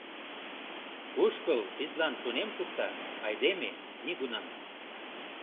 Кушкыл тидлан тунем шукта, айдеме — нигунам.